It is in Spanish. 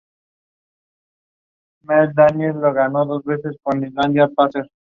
El icono de la estación es el logotipo de la Universidad Autónoma Metropolitana.